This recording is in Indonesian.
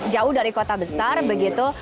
jauh dari kota besar begitu